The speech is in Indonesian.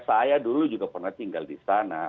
saya dulu juga pernah tinggal di sana